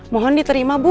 mohon diterima bu